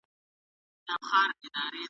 حبيبي صيب، له افغانستان هاخوا هم